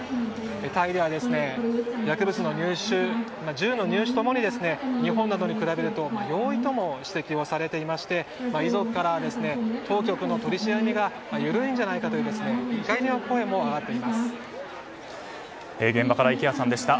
タイでは、薬物の入手銃の入手ともに日本などに比べると容易とも指摘されていて遺族からは当局の取り調べが緩いんじゃないかという現場から池谷さんでした。